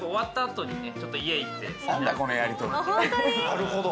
なるほど！